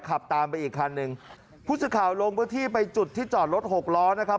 ขับตามไปอีกคันหนึ่งผู้สื่อข่าวลงพื้นที่ไปจุดที่จอดรถหกล้อนะครับ